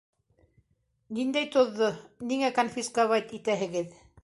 — Ниндәй тоҙҙо, ниңә конфисковать итәһегеҙ?